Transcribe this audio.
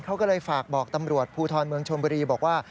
เขาก็เลยฝากบอกตำรวจภูทรเมืองชนบุรีบอกว่า